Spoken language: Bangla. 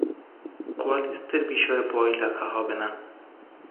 কোয়ালিস্টদের বিষয়ে বই লেখা হবে না।